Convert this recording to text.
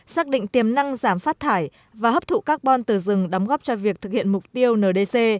xác định tiềm năng giảm phát thải và hấp thụ carbon từ rừng đóng góp cho việc thực hiện mục tiêu ndc